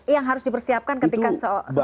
yang harus dipersiapkan ketika seseorang itu menikah